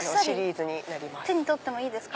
手に取ってもいいですか？